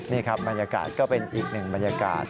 นี่ครับบรรยากาศก็เป็นอีกหนึ่งบรรยากาศ